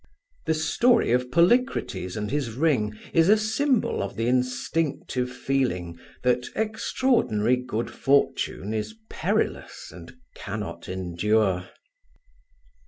The story of Polycrates and his ring is a symbol of the instinctive feeling that extraordinary good fortune is perilous and can not endure.